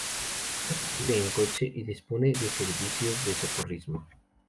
Es accesible en coche y dispone de servicios de socorrismo.